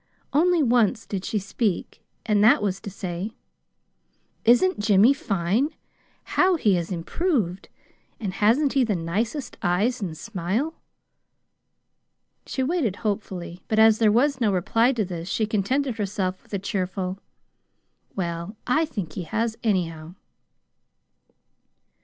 Only once did she speak, and that was to say: "Isn't Jimmy fine? How he has improved! And hasn't he the nicest eyes and smile?" She waited hopefully, but as there was no reply to this, she contented herself with a cheerful: "Well, I think he has, anyhow."